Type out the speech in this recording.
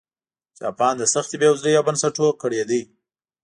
جاپان له سختې بېوزلۍ او بنسټونو کړېده.